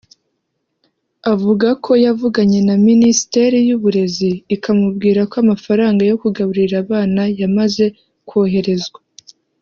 Avuga ko yavuganye na Minisiteri y’Uburezi ikamubwira ko amafaranga yo kugaburira abana yamaze koherezwa